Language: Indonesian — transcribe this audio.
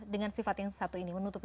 dengan sifat yang satu ini menutupi